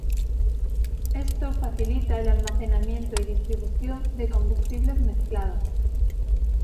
Esto facilita el almacenamiento y distribución de combustibles mezclados.